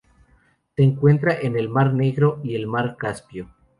Se encuentra en el mar Negro y el mar Caspio.